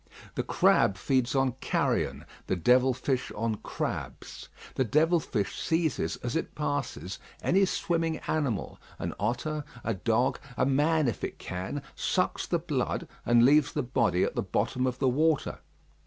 The crab feeds on carrion, the devil fish on crabs. The devil fish seizes as it passes any swimming animal an otter, a dog, a man if it can sucks the blood, and leaves the body at the bottom of the water.